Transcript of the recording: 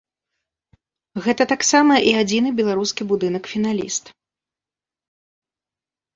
Гэта таксама і адзіны беларускі будынак-фіналіст.